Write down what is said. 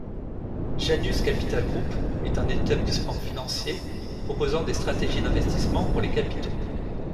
Janus Capital Group est un établissement financier proposant des stratégies d'investissement pour les capitaux.